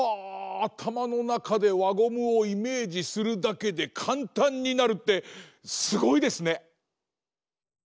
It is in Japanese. あたまのなかでわゴムをイメージするだけでかんたんになるってすごいですね！